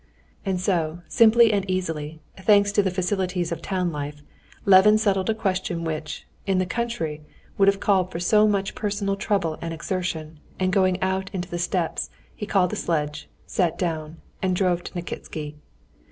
And so, simply and easily, thanks to the facilities of town life, Levin settled a question which, in the country, would have called for so much personal trouble and exertion, and going out onto the steps, he called a sledge, sat down, and drove to Nikitsky.